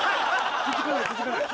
気付かない気付かない。